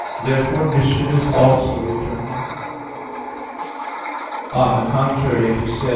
Therefore mission is also eternal. On the contrary, It is said (Gal.